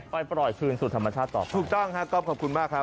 ไปปล่อยคืนสุดธรรมชาติต่อไปคุณมากครับ